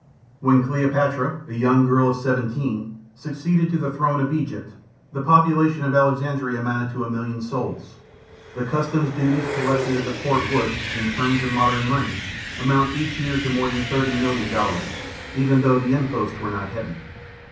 When Cleopatra, a young girl of seventeen, succeeded to the throne of Egypt the population of Alexandria amounted to a million souls. The customs duties collected at the port would, in terms of modern money, amount each year to more than thirty million dollars, even though the imposts were not heavy.